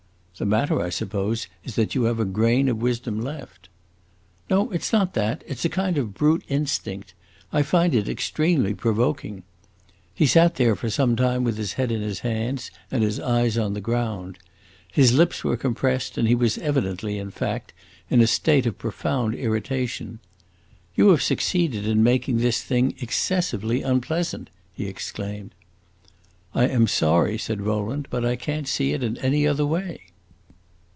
"The matter, I suppose, is that you have a grain of wisdom left." "No, it 's not that. It 's a kind of brute instinct. I find it extremely provoking!" He sat there for some time with his head in his hands and his eyes on the ground. His lips were compressed, and he was evidently, in fact, in a state of profound irritation. "You have succeeded in making this thing excessively unpleasant!" he exclaimed. "I am sorry," said Rowland, "but I can't see it in any other way."